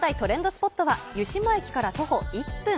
スポットは、湯島駅から徒歩１分。